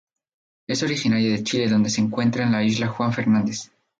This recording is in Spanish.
Es originaria de Chile donde se encuentra en la Isla Juan Fernández.